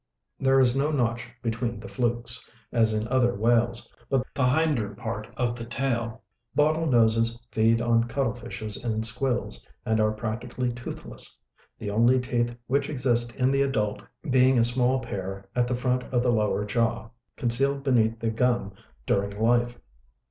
There is no notch between the flukes, as in other whales, but the hinder part of the tail is rounded. Bottlenoses feed on cuttle fishes and squills, and are practically toothless; the only teeth which exist in the adult being a small pair at the front of the lower jaw, concealed beneath the gum during life.